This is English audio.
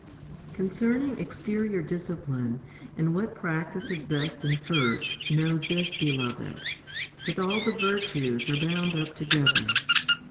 1. CONCERNING exterior discipline, and what practice is best and first, know this, beloved, that all the virtues are bound up together.